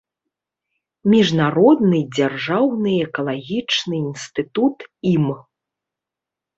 Міжнародны дзяржаўны экалагічны інстытут ім.